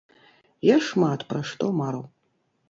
Я шмат пра што мару.